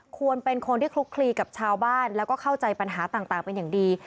ควรเป็นคนที่คลุกคลีกับชาวบ้านแล้วก็เข้าใจปัญหาต่างเป็นอย่างดี